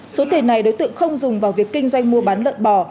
số tiền này đối tượng không dùng vào việc kinh doanh mua bán lợn bò